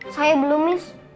saya belum miss